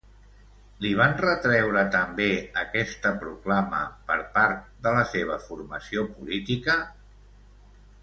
Li van retreure també aquesta proclama per part de la seva formació política?